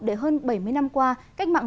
không làm việc cho bác